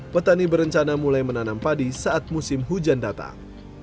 petani berencana mulai menanam padi saat musim hujan datang